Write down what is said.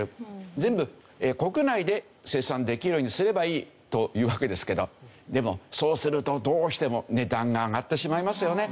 全部国内で生産できるようにすればいいというわけですけどでもそうするとどうしても値段が上がってしまいますよね。